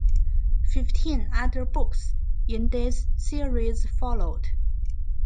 Fifteen other books in this series followed.